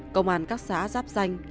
công an các xã giáp danh